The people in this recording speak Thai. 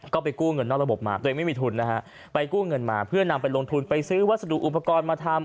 ก็ไปกู้เงินนอกระบบมาตัวเองไม่มีทุนนะฮะไปกู้เงินมาเพื่อนำไปลงทุนไปซื้อวัสดุอุปกรณ์มาทำ